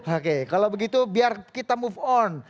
oke kalau begitu biar kita move on